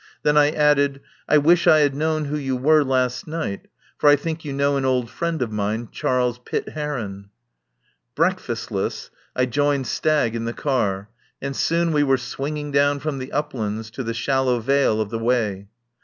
Then I added: "I wish I had known who you were last night, for I think you know an old friend of mine, Charles Pitt Heron." Breakfastless I joined Stagg in the car, and soon we were swinging down from the uplands to the shallow vale of the Wey.